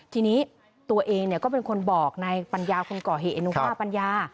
ทีนี้ตัวเองก็เป็นคนบอกนายปัญญาคนก่อเหตุอนุภาพปัญญา